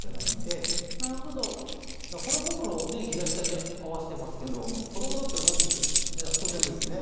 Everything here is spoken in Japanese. これ僕のひざ下に合わせてますけど子どもだったらもっと低いってことですよねだからね。